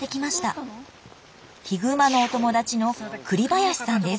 ヒグマのお友達の栗林さんです